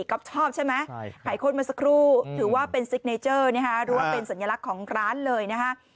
ก็ชอบใช่ไหมไข่ข้นมาสักครู่ถือว่าเป็นซิกเนเจอร์หรือว่าเป็นสัญลักษณ์ของร้านเลยนะฮะ